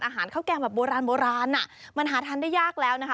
ข้าวแกงแบบโบราณโบราณอ่ะมันหาทานได้ยากแล้วนะคะ